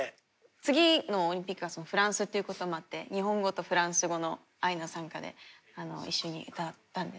次のオリンピックがフランスっていうこともあって日本語とフランス語の「愛の讃歌」で一緒に歌ったんですけど。